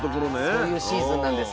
そういうシーズンなんです。